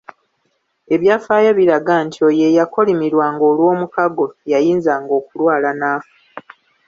Ebyafaayo biraga nti oyo eyakolimirwanga olw’omukago yayinzanga okulwala n’afa.